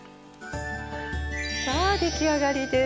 さあ出来上がりです。